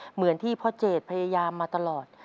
เหมือนที่พ่อเจดพยายามมาตลอด